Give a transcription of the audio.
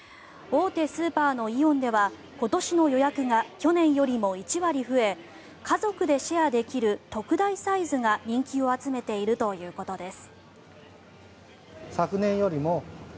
大手スーパーのイオンでは今年の予約が去年よりも１割増え家族でシェアできる特大サイズが人気を集めているということです。